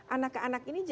anak ke anak ini